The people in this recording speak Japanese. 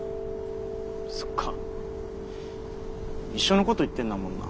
そっか一緒のこと言ってんだもんな。